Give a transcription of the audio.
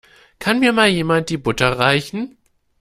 Kann mir mal jemand die Butter reichen?